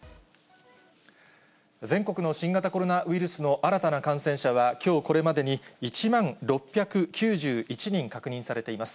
全国の新型コロナウイルスの新たな感染者は、きょうこれまでに１万６９１人確認されています。